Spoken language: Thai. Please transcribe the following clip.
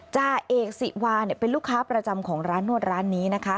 จ่าเอกสิวาเป็นลูกค้าประจำของร้านนวดร้านนี้นะคะ